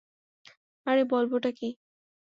আরে, বলবোটা কী?